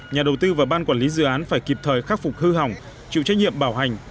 nhà đầu tư và ban quản lý dự án phải kịp thời khắc phục hư hỏng chịu trách nhiệm bảo hành